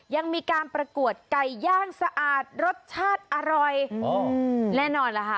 ยังมีการประกวดไก่ย่างสะอาดรสชาติอร่อยแน่นอนล่ะค่ะ